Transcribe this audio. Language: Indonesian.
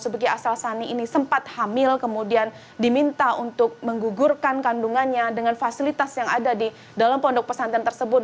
subgi asal sani ini sempat hamil kemudian diminta untuk menggugurkan kandungannya dengan fasilitas yang ada di dalam pondok pesantren tersebut